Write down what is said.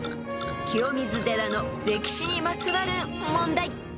［清水寺の歴史にまつわる問題］